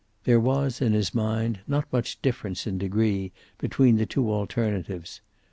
There was, in his mind, not much difference in degree between the two alternatives.